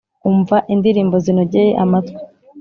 umva indirimbo zinogeye amatwi.